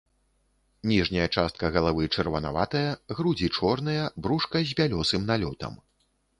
Ніжняя частка галавы чырванаватая, грудзі чорныя, брушка з бялёсым налётам.